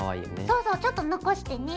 そうそうちょっと残してね。